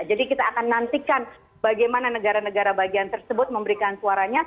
jadi kita akan nantikan bagaimana negara negara bagian tersebut memberikan suaranya